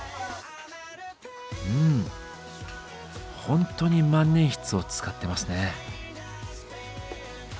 うんほんとに万年筆を使ってますね。